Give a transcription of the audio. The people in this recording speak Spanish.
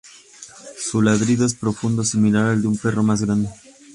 Su ladrido es profundo, similar al de un perro más grande.